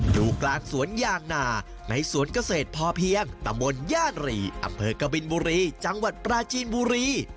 อยู่กลางสวนยางนาในสวนเกษตรพอเพียงตำบลย่านหรีอำเภอกบินบุรีจังหวัดปราจีนบุรี